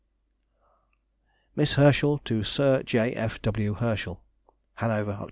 MISS HERSCHEL TO SIR J. F. W. HERSCHEL. HANOVER, _Oct.